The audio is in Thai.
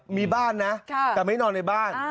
มีบ้านนะแต่ไม่นอนในบ้าน